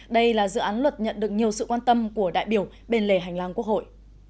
đây là dự án luật nhận được nhiều sự quan tâm của đại biểu bên lề hành lang quốc hội